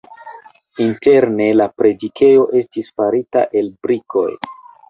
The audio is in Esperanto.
Interne la predikejo estis farita el brikoj.